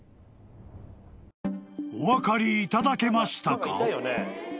［お分かりいただけましたか？］